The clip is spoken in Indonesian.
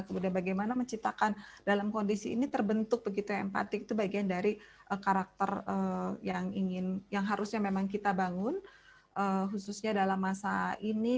kemudian bagaimana menciptakan dalam kondisi ini terbentuk begitu empati itu bagian dari karakter yang harusnya memang kita bangun khususnya dalam masa ini